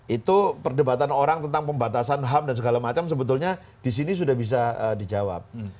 itu perdebatan orang tentang pembatasan ham dan segala macam sebetulnya disini sudah bisa dijawab